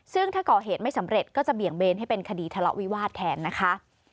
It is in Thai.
ซึ่งถ้าก่อเหตุไม่สำเร็จก็จะเบี่ยงเบนให้เป็นคดีทะเลาะวิวาสแทนนะคะ